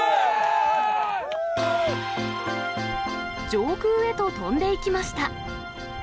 上空へと飛んでいきました。